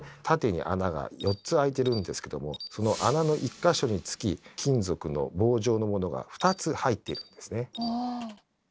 縦に穴が４つ開いてるんですけどもその穴の１か所につき金属の棒状のものが２つ入っているんですね。